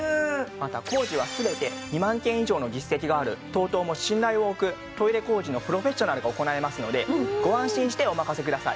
また工事は全て２万件以上の実績があるＴＯＴＯも信頼を置くトイレ工事のプロフェッショナルが行いますのでご安心してお任せください。